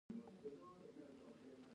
آیا په ژمي کې د ډبرو سکرو بیه لوړیږي؟